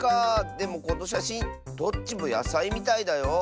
でもこのしゃしんどっちもやさいみたいだよ。